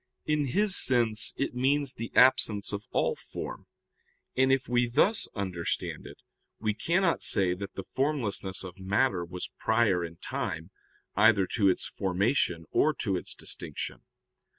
In his sense it means the absence of all form, and if we thus understand it we cannot say that the formlessness of matter was prior in time either to its formation or to its distinction.